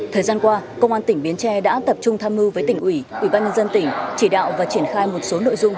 thời gian qua công an tỉnh bến tre đã tập trung tham mưu với tỉnh ủy ủy ban nhân dân tỉnh chỉ đạo và triển khai một số nội dung